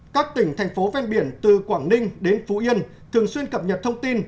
các tỉnh thành phố ven biển từ quảng ninh đến phú yên thường xuyên cập nhật thông tin